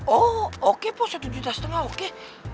oh oke pak satu juta setengah oke